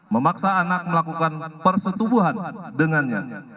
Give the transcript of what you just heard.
memaksa anak melakukan persetubuhan dengannya